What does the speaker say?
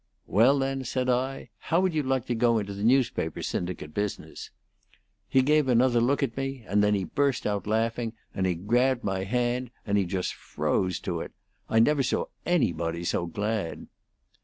'Well, then,' said I, 'how would you like to go into the newspaper syndicate business?' He gave another look at me, and then he burst out laughing, and he grabbed my hand, and he just froze to it. I never saw anybody so glad.